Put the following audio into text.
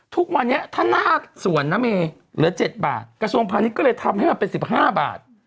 ทุกวันเนี้ยถ้าหน้าส่วนน้ำเอกเหลือเจ็ดบาทกระทรวงภาพนี้ก็เลยทำให้มันเป็นสิบห้าบาท